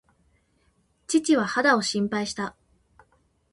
父は肌を心配した。